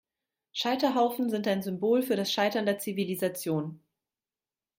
Scheiterhaufen sind ein Symbol für das Scheitern der Zivilisation.